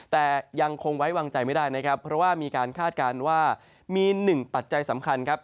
แต่ยังคงไว้วางใจไม่ได้นะครับเพราะว่ามีการคาดการณ์ว่ามีหนึ่งปัจจัยสำคัญครับ